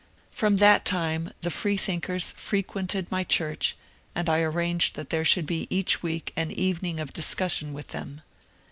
From that time the freethinkers frequented my church, and I arranged that there should be each week an evening of discussion with them.